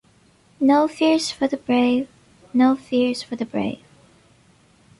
No fears for the brave; no fears for the brave.